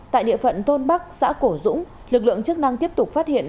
tại địa phận thôn bắc xã cổ dũng lực lượng chức năng tiếp tục phát hiện